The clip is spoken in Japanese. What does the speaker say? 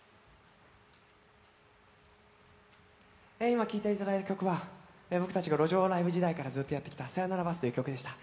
今聴いていただいた曲は僕たちが路上ライブ時代からずっとやってきた「サヨナラバス」という曲でした。